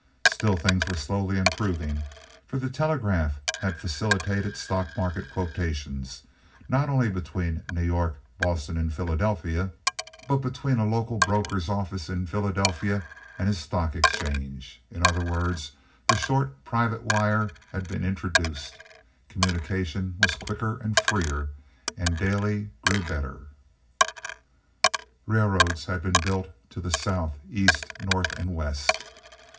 Still, things were slowly improving, for the telegraph had facilitated stock market quotations, not only between New York, Boston, and Philadelphia, but between a local broker's office in Philadelphia and his stock exchange. In other words, the short private wire had been introduced. Communication was quicker and freer, and daily grew better. Railroads had been built to the South, East, North, and West.